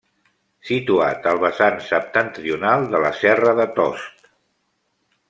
Situat al vessant septentrional de la serra de Tost.